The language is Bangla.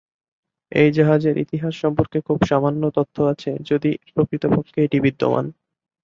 এই জাহাজের ইতিহাস সম্পর্কে খুব সামান্য তথ্য আছে যদি প্রকৃতপক্ষে এটি বিদ্যমান।